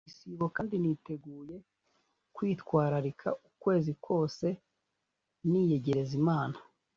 ndi mu gisibo kandi niteguye kwitwararika ukwezi kose niyegereza Imana